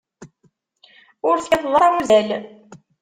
Ur tekkateḍ ara uzzal.